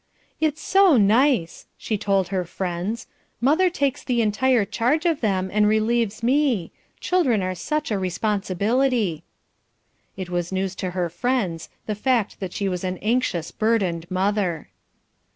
"It's so nice," she told her friends. "Mother takes the entire charge of them, and relieves me; children are such a responsibility." It was news to her friends, the fact that she was an anxious burdened mother.